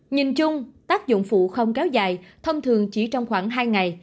nhìn chung tác dụng phụ không kéo dài thông thường chỉ trong khoảng hai ngày